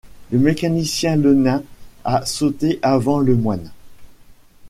Le mécanicien Lenain a sauté avant Lemoine.